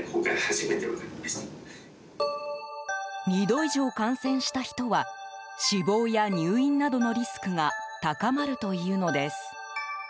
２度以上感染した人は死亡や入院などのリスクが高まるというのです。